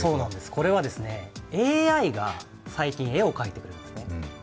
これはＡＩが最近絵を描いてくれたんです。